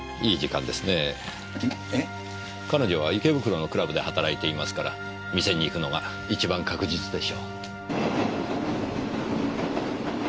彼女は池袋のクラブで働いていますから店に行くのが一番確実でしょう。